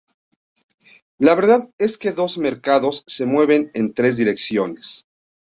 La verdad es que los mercados se mueven en tres direcciones.